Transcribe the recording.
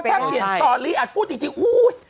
แต่ถ้าเปลี่ยนตอนนี้อาจพูดอีกทีอู้๊ย